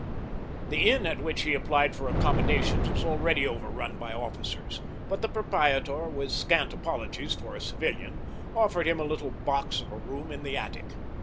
The inn at which he applied for accommodations was already overrun by officers, but the proprietor, with scant apologies for a civilian, offered him a little box of a room in the attic.